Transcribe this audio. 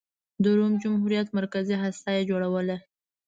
د روم جمهوریت مرکزي هسته یې جوړوله.